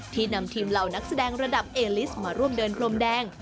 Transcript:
นำทีมเหล่านักแสดงระดับเอลิสมาร่วมเดินพรมแดง